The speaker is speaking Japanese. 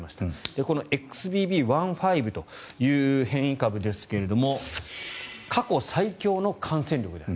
このＸＢＢ．１．５という変異株ですが過去最強の感染力である。